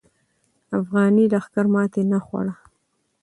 افغاني لښکر ماتې نه خوړله.